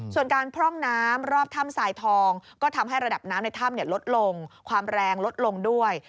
ส่วนการพร่องน้ำรอบถ้ำสายทองก็ทำให้ระดับน้ำในถ้ำลดลงความแรงลดลงด้วย